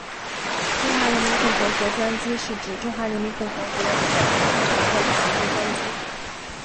中华人民共和国专机是指中华人民共和国领导人乘坐的行政专机。